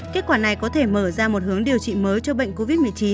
kết quả này có thể mở ra một hướng điều trị mới cho bệnh covid một mươi chín